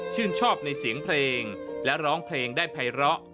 ชื่นชอบในเสียงเพลงและร้องเพลงได้ไพระ